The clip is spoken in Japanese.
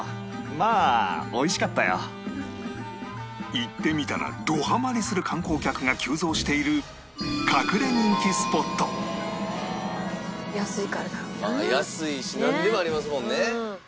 行ってみたらどハマりする観光客が急増している安いしなんでもありますもんね。